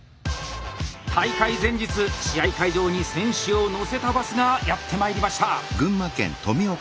大会前日試合会場に選手を乗せたバスがやってまいりました。